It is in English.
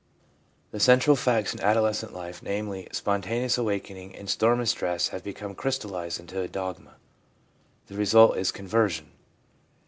The central facts in adolescent life, namely, spontaneous awakening and storm and stress, have become crystallised into a dogma ; the result is conversion.